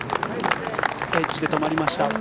エッジで止まりました。